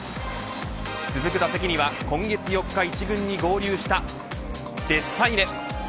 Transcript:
続く打席には今月４日、一軍に合流したデスパイネ。